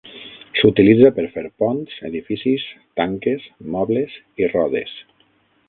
S'utilitza per fer ponts, edificis, tanques, mobles i rodes.